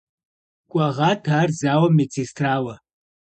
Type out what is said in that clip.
Кӏуэгъат ар зауэм медсестрауэ.